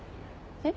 えっ？